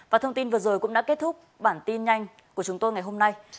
và thông tin vừa rồi cũng đã kết thúc bản tin nhanh của chúng tôi ngày hôm nay